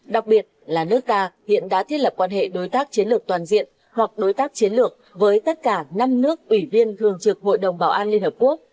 đặc biệt là nước ta hiện đã thiết lập quan hệ đối tác chiến lược toàn diện hoặc đối tác chiến lược với tất cả năm nước ủy viên thường trực hội đồng bảo an liên hợp quốc